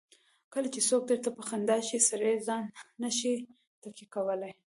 کله چې څوک درته په خندا شي سړی ځان نه شي تکیه کولای.